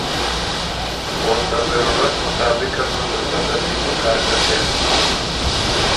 او ته ضرورت مطابق ال بُو ته سۀ ته بی په کر ګۀ څېن۔